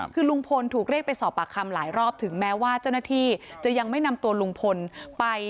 คือลุงพลถูกเรียกไปสอบปากคำหลายรอบถึงแม้ว่าเจ้าหน้าที่จะยังไม่นำตัวลุงพลไป